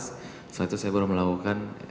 setelah itu saya baru melakukan